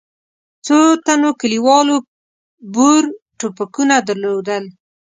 څو تنو کلیوالو بور ټوپکونه درلودل.